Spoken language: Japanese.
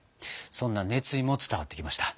そんな熱意も伝わってきました。